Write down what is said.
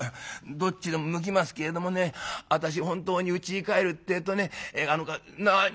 「どっちでも向きますけれどもね私本当にうちに帰るってえとね何をする。